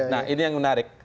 nah ini yang menarik